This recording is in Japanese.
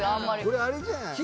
これあれじゃない？